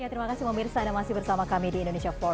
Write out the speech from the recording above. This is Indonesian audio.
ya terima kasih memirsa dan masih bersama kami di indonesia forward